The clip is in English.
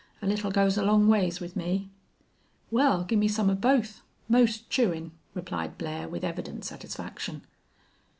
A little goes a long ways with me." "Wal, gimme some of both, most chewin'," replied Blair, with evident satisfaction.